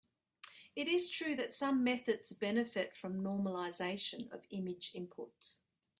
It is true that some methods benefit from normalization of image inputs.